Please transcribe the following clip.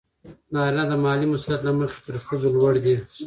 نارینه د مالي مسئولیت له مخې پر ښځو لوړ دی.